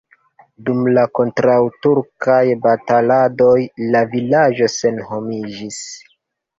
Dum la kontraŭturkaj bataladoj la vilaĝo senhomiĝis.